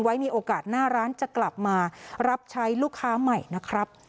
มีโอกาสหน้าร้านจะกลับมารับใช้ลูกค้าใหม่นะครับ